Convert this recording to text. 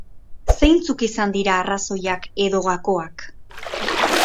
Zeintzuk izan dira arraoziak edo gakoak?